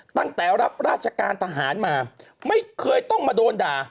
ตั้งแต่รับราชการทหารมาไม่เคยต้องมาโดนด่า